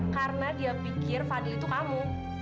karena dia pikir fadil itu kamu